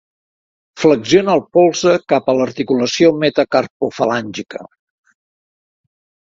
Flexiona el polze cap a l'articulació metacarpofalàngica.